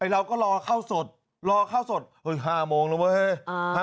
เราก็รอข้าวสดรอข้าวสด๕โมงแล้วเว้ย